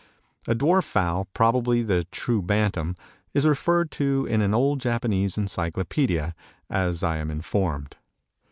A dwarf fowl, probably the true Bantam, is referred to in an old Japanese Encyclopedia, as I am informed.